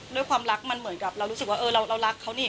ด้วยความรักมันเหมือนกับเรารู้สึกว่าเออเรารักเขานี่